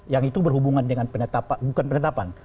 yang itu berhubungan dengan penetapan bukan penetapan